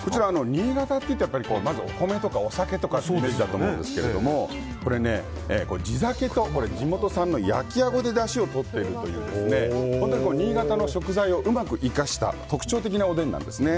新潟というとやっぱりまずお米とかお酒というイメージだと思うんですけど地酒と地元産の焼きアゴでだしをとっているという新潟の食材をうまく生かした特徴的なおでんなんですね。